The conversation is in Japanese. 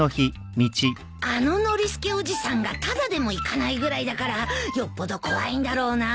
あのノリスケおじさんがタダでも行かないぐらいだからよっぽど怖いんだろうな。